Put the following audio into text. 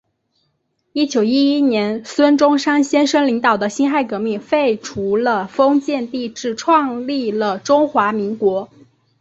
一九一一年孙中山先生领导的辛亥革命，废除了封建帝制，创立了中华民国。